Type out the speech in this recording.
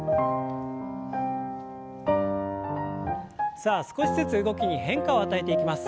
さあ少しずつ動きに変化を与えていきます。